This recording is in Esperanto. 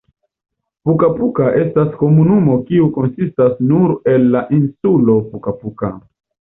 Puka-Puka estas komunumo kiu konsistas nur el la insulo Puka-Puka.